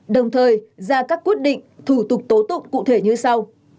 đồng thời ra các quyết định thủ tục tố tụng cụ thể như sau